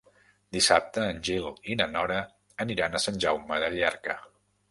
Dissabte en Gil i na Nora aniran a Sant Jaume de Llierca.